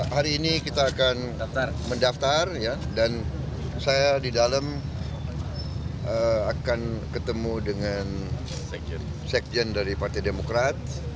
hari ini kita akan mendaftar dan saya di dalam akan ketemu dengan sekjen dari partai demokrat